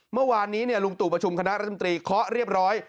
เมื่อวานนี้ลุงตู่ประชุมคณะรัฐมนตรีเคาะเรียบร้อย